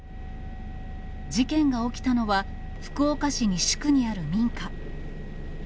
事件が起きたのは、福岡市西区にある民家。